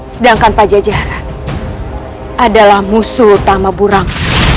sedangkan pajajaran adalah musuh utama burang